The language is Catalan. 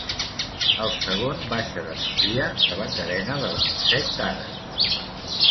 El segon baixa de migdia, de la carena del Montsec d'Ares.